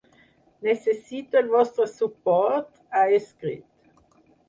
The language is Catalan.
Necessito el vostre suport, ha escrit.